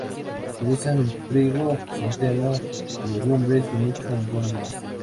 Producen trigo, centeno, legumbres y mucho y buen lino.